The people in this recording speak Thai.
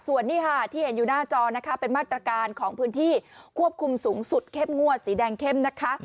ส่วนนี้ค่ะที่เห็นอยู่หน้าจอนะคะเป็นมาตรการของพื้นที่ควบคุมสูงสุดเข้มงวดสีแดงเข้มนะคะ